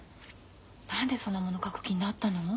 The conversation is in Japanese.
何でそんなもの書く気になったの？